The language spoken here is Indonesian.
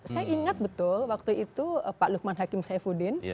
saya ingat betul waktu itu pak lukman hakim saifuddin